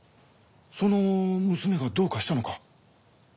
その娘がどうかしたのか？